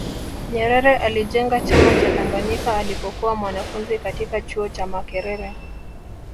nyerere alijenga chama cha tanganyika alipokuwa mwanafunzi katika chuo cha makerere